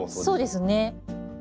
そうですね。